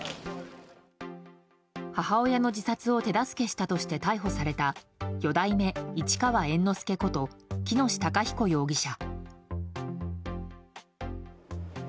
母親の自殺を手助けしたとして逮捕された四代目市川猿之助こと喜熨斗孝彦容疑者。